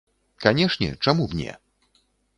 Канешне, чаму б не?